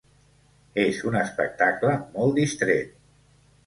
És un espectacle molt distret.